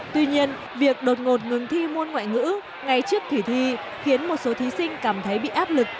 tuy nhiên việc đột ngột ngừng thi môn ngoại ngữ ngay trước kỳ thi khiến một số thí sinh cảm thấy bị áp lực